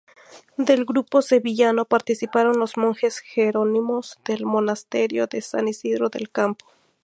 Del grupo sevillano participaron los monjes jerónimos del Monasterio de San Isidoro del Campo.